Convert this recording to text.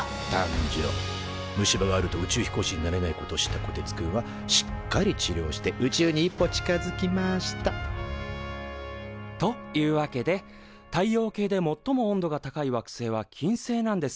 虫歯があると宇宙飛行士になれないことを知ったこてつくんはしっかり治りょうして宇宙に一歩近づきましたというわけで太陽系でもっとも温度が高い惑星は金星なんです。